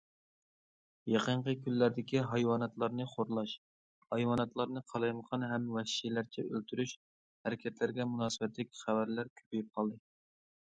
يېقىنقى كۈنلەردىكى ھايۋاناتلارنى خورلاش، ھايۋاناتلارنى قالايمىقان ھەم ۋەھشىيلەرچە ئۆلتۈرۈش ھەرىكەتلىرىگە مۇناسىۋەتلىك خەۋەرلەر كۆپىيىپ قالدى.